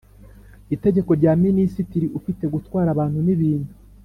Itegeko rya Minisitiri ufite Gutwara Abantu nibintu